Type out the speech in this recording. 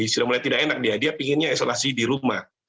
jadi sudah mulai tidak enak dia dia inginnya isolasi di rumah